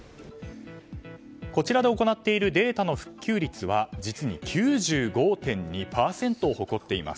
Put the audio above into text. こちらで行っているデータの復旧率は実に９５．２％を誇っています。